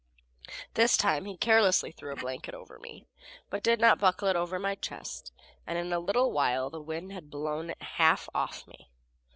This time he carelessly threw a blanket over me, but did not buckle it over my chest, and in a little while the wind had blown it half off me.